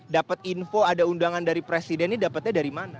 dapat info ada undangan dari presiden ini dapatnya dari mana